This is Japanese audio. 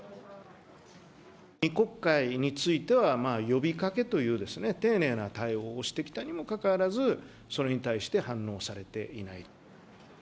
２国会については呼びかけという丁寧な対応をしてきたにもかかわらず、それに対して反応されていない。